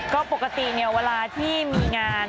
ก็ปกติเวลาที่มีงาน